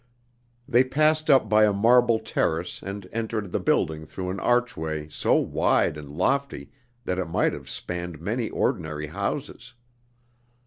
They passed up by a marble terrace and entered the building through an archway so wide and lofty that it might have spanned many ordinary houses.